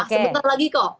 sebentar lagi kok